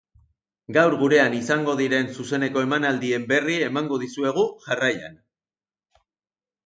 Gaur gurean izango diren zuzeneko emanaldien berri emango dizuegu, jarraian.